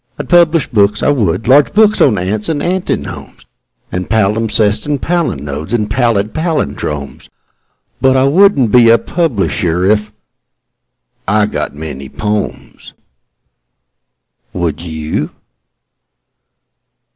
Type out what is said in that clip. I'd publish books, I would large books on ants and antinomes And palimpsests and palinodes and pallid pallindromes: But I wouldn't be a publisher if .... I got many "pomes." Would you?